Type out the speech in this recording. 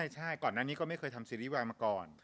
ใช่ก่อนหน้านี้ก็ไม่เคยทำซีรีส์วายมาก่อน